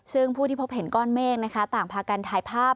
ซึ่งผู้ที่พบเห็นก้อนเมฆนะคะต่างพากันถ่ายภาพ